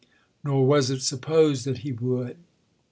Nor was it supposed that he would.